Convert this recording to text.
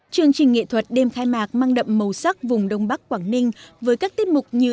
chương trình nghệ thuật đêm khai mạc mang đậm màu sắc vùng đông bắc quảng ninh với các tiết mục như